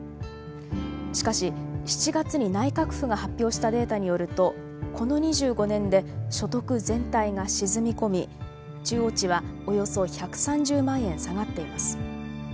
しかし７月に内閣府が発表したデータによるとこの２５年で所得全体が沈み込み中央値はおよそ１３０万円下がっています。